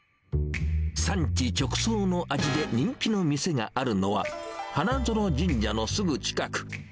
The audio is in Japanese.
産地直送の味で人気の店があるのは、花園神社のすぐ近く。